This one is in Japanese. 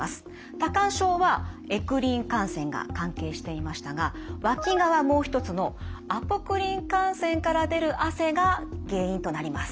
多汗症はエクリン汗腺が関係していましたがわきがはもう一つのアポクリン汗腺から出る汗が原因となります。